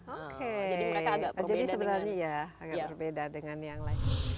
oke jadi sebenarnya agak berbeda dengan yang lain